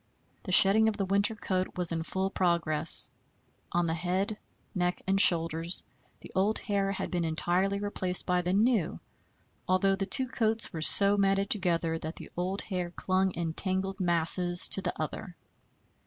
The shedding of the winter coat was in full progress. On the head, neck, and shoulders the old hair had been entirely replaced by the new, although the two coats were so matted together that the old hair clung in tangled masses to the other.